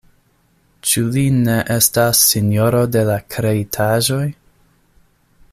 Ĉu li ne estas sinjoro de la kreitaĵoj?